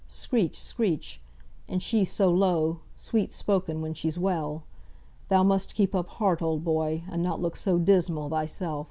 Screech! screech! and she so low, sweet spoken, when she's well! Thou must keep up heart, old boy, and not look so dismal, thysel."